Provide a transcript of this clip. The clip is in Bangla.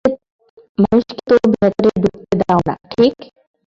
মানুষকে তো ভেতরে ঢুকতে দাও না, ঠিক?